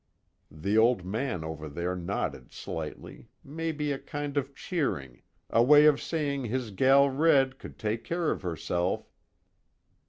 The Old Man over there nodded slightly, maybe a kind of cheering, a way of saying his gal Red could take care of herself.